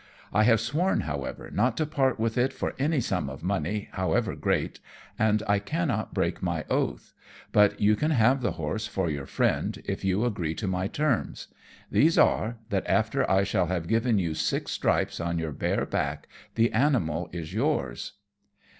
I have sworn, however, not to part with it for any sum of money, however great, and I cannot break my oath; but you can have the horse for your friend, if you agree to my terms. These are, that, after I shall have given you six stripes on your bare back, the animal is yours."